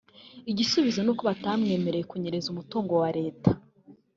Igisubizo n’uko batamwemereye kunyereza umutungo wa Leta